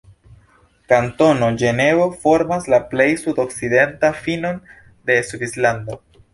Kantono Ĝenevo formas la plej sudokcidentan finon de Svislando.